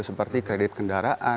seperti kredit kendaraan